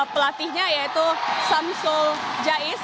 pelatihnya yaitu shamsul jais